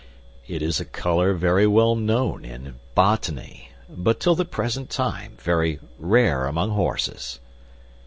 "It is a color very well known in botany, but till the present time very rare among horses."